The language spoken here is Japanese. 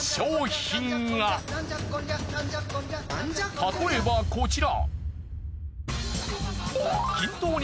例えばこちら。